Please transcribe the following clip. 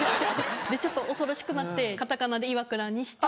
ちょっと恐ろしくなってカタカナでイワクラにして。